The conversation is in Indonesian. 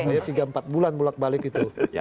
saya tiga empat bulan mulak balik itu